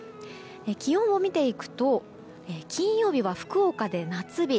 気温を見ていくと金曜日は福岡で夏日